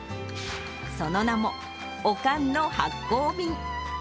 その名も、おかんの発酵便。